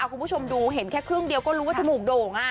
คุณผู้ชมดูเห็นแค่เครื่องเดียวก็รู้ว่า